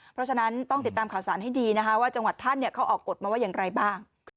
เพราะฉะนั้นต้องติดตามข่าวสารให้ดีนะคะว่าจังหวัดท่านเขาออกกฎมาว่าอย่างไรบ้าง